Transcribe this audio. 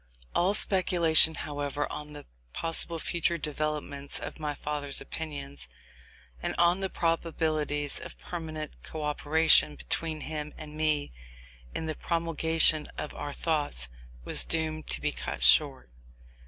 All speculation, however, on the possible future developments of my father's opinions, and on the probabilities of permanent co operation between him and me in the promulgation of our thoughts, was doomed to be cut short.